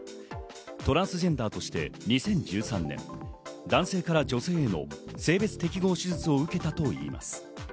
トランスジェンダーとして２０１３年、男性から女性への性別適合手術を受けたといいます。